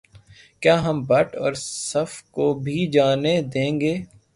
کیا ہم بٹ اور صف کو بھی جانے دیں گے